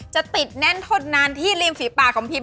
จะติดแน่นทดนานที่ริมฝีปากของพิม